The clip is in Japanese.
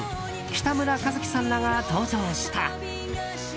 北村一輝さんらが登場した。